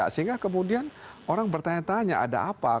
sehingga kemudian orang bertanya tanya ada apa